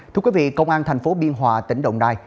thưa quý vị công an thành phố biên hòa tỉnh đồng nai